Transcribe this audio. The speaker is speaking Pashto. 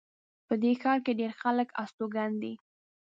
په دې ښار کې ډېر خلک استوګن دي